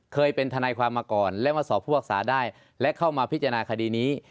เคยเป็นทนายความมาก่อนและมาสอบผู้รักษาได้และเข้ามาพิจารณาคดีนี้